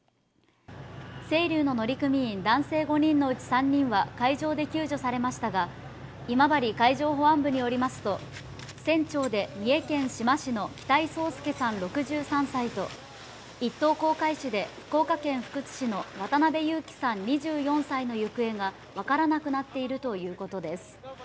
「せいりゅう」の乗組員、男性５人のうち３人は海上で救助されましたが今治海上保安部によりますと、船長で三重県志摩市の北井宗祐さん６３歳と、一等航海士で福岡県福津市の渡辺侑樹さん、２４歳の行方がわからなくなっているということです。